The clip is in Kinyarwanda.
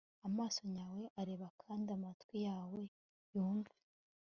amaso n yawe arebe kandi amatwi yawe yumve